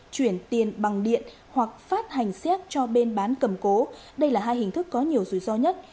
chuyển tiền bằng điện hoặc phát hành xét cho bên bán cầm cố đây là hai hình thức có nhiều rủi ro nhất